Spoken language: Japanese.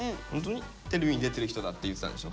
テレビに出てる人だって言ってたんでしょ？